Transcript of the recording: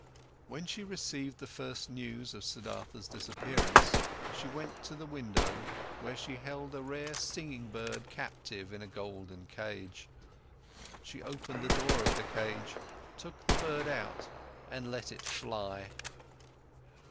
When she received the first news of Siddhartha's disappearance, she went to the window, where she held a rare singing bird captive in a golden cage. She opened the door of the cage, took the bird out and let it fly.